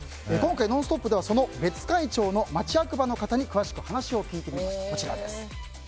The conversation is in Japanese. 今回「ノンストップ！」ではその別海町の町役場の方に詳しく話を聞いてみました。